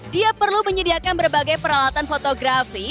dia perlu menyediakan berbagai peralatan fotografi